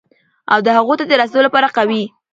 او د هغو ته د رسېدو لپاره قوي،